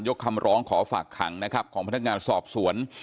ยกคำร้องขอฝากขังของพนักงานสอบสวน